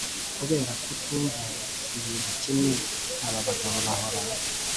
Kubera kutumva ibintu kimwe aba bagabo bahora